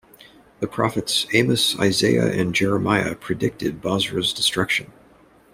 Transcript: The prophets Amos, Isaiah, and Jeremiah predicted Bozrah's destruction.